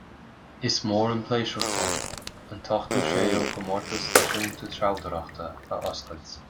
Is mór an pléisiúir dom an t-ochtó séú Comórtas Náisiúnta Treabhdóireachta a oscailt